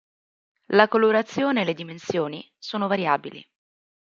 La colorazione e le dimensioni sono variabili.